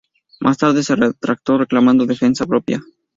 Más tarde se retractó reclamando defensa propia.